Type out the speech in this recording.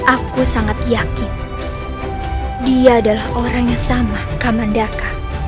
aku sangat yakin dia adalah orang yang sama kamandaka